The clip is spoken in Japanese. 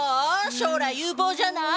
将来有望じゃない？